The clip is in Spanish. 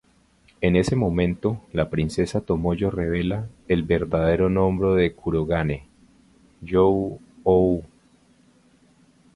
En ese momento, la Princesa Tomoyo revela, el verdadero nombre de Kurogane: You-Ou.